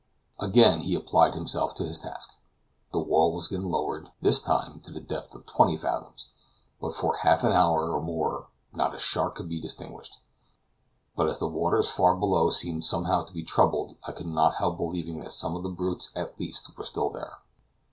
Again he applied himself to his task. The whirl was again lowered, this time to the depth of twenty fathoms, but for half an hour or more not a shark could be distinguished; but as the waters far below seemed somehow to be troubled I could not help believing that some of the brutes at least were still there.